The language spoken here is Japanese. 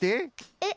えっ？